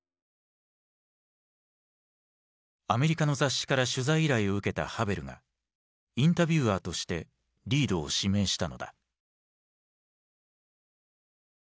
アメリカの雑誌から取材依頼を受けたハヴェルがインタビュアーとしてリードを指名したのだ。